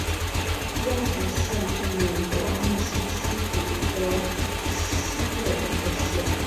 亚祖县是美国密西西比州西部的一个县。